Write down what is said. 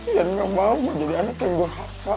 yan gak mau jadi anak yang gue hafal